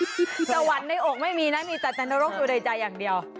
จะหวันในอกไม่มีนะมีแต่ในรกอยู่ในใจอย่างเดียว